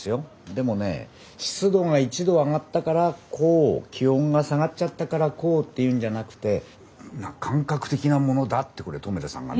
でもね湿度が１度上がったからこう気温が下がっちゃったからこうっていうんじゃなくて感覚的なものだってこれ留田さんがね。